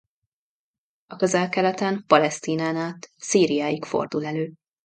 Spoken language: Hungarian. A Közel-Keleten Palesztinán át Szíriáig fordul elő.